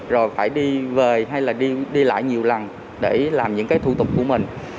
rồi phải đi về hay là đi lại nhiều lần để làm những cái thủ tục của mình